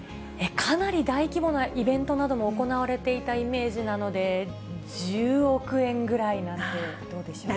かなり大規模なイベントなども行われていたイメージなので、１０億円ぐらいなんて、どうでしょう？